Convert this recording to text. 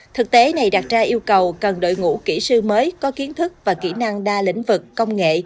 thực tế này đặt ra yêu cầu cần đội ngũ kỹ sư mới có kiến thức và kỹ năng đa lĩnh vực công nghệ